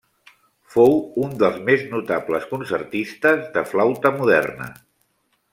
Fou un dels més notables concertistes de flauta moderna.